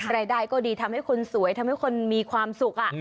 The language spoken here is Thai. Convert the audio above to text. รายได้ก็ดีทำให้คนสวยทำให้คนมีความสุข